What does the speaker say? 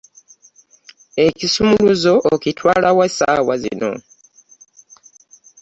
Ekisumuluzo okitwala wa saawa zino.